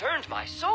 そう。